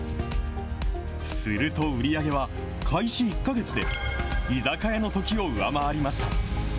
すると売り上げは、開始１か月で居酒屋のときを上回りました。